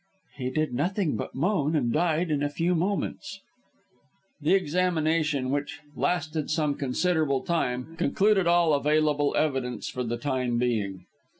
"He did nothing but moan, and died in a few moments." This examination, which lasted some considerable time, concluded all available evidence for the time being.